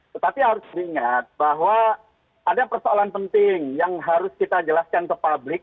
tetapi harus diingat bahwa ada persoalan penting yang harus kita jelaskan ke publik